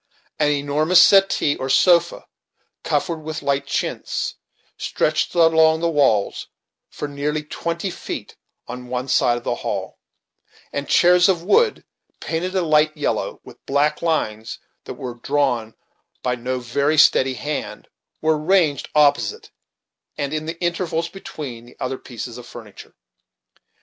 An enormous settee, or sofa, covered with light chintz, stretched along the walls for nearly twenty feet on one side of the hail; and chairs of wood, painted a light yellow, with black lines that were drawn by no very steady hand, were ranged opposite, and in the intervals between the other pieces of furniture.